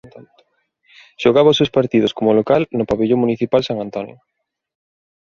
Xogaba os seus partidos como local no Pavillón Municipal San Antonio.